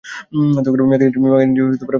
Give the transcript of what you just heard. ম্যাগাজিনটি Cairo ভিত্তিক ছিল।